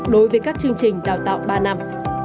đối với các chương trình đào tạo ba năm